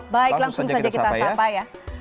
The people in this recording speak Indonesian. baik langsung saja kita sapa ya